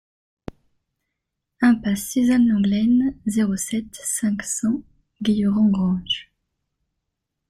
Impasse Suzanne Lenglen, zéro sept, cinq cents Guilherand-Granges